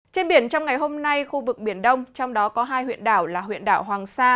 trên biển trong ngày hôm nay khu vực biển đông trong đó có hai huyện đảo là huyện đảo hoàng sa